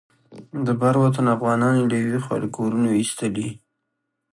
د بر وطن افغانان یې له یوې خوا له کورونو ایستلي.